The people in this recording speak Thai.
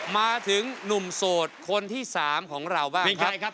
มาถึงหนุ่มโสดคนที่สามของเราบ้างเป็นใครครับ